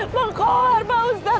pak kauh hari pak ustadz